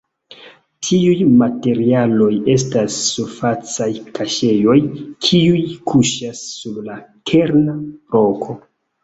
Tiuj materialoj estas surfacaj kuŝejoj kiuj kuŝas sur la kerna roko.